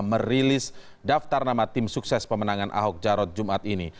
merilis daftar nama tim sukses pemenangan ahok jarot jumat ini